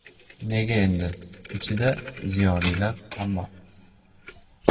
— Nega endi, ichida ziyolilar ham bor.